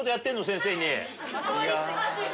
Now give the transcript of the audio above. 先生に。